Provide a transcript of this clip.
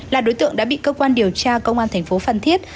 là đối tượng đã bị cơ quan điều tra công an thành phố phan thiết